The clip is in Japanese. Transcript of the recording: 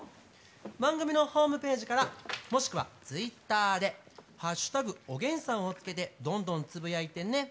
番組のホームページからもしくはツイッターで「＃おげんさん」を付けてどんどん、つぶやいてね。